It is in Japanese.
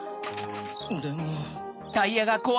でも。